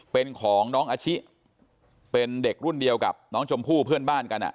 เป็นของน้องอาชิเป็นเด็กรุ่นเดียวกับน้องชมพู่เพื่อนบ้านกัน